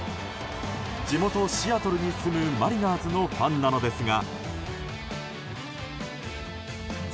地元シアトルに住むマリナーズのファンなのですが。